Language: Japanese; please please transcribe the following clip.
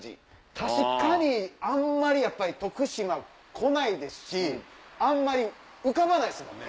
確かにあんまり徳島来ないですしあんまり浮かばないですもんね。